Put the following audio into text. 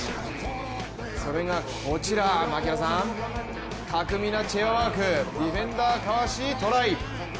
それがこちら、槙原さん、巧みなチェアワーク、ディフェンダーかわし、トライ。